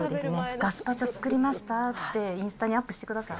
ガスパチョ作りましたって、インスタにアップしてください。